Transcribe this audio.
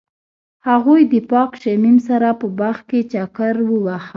هغوی د پاک شمیم سره په باغ کې چکر وواهه.